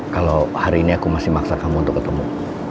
kalau hari ini aku masih maksa kamu untuk ketemu